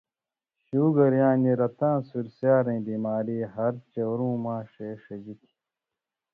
شُوگر(رتاں سُرسیارَیں) بیماری ہر چؤرؤں ماݜے ݜژی تھی